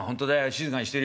静かにしてるよ」。